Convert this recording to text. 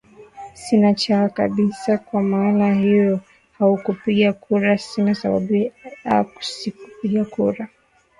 sinachawa kabisa kwa maana hiyo haukupiga kura sina sababu aa sikupiga kura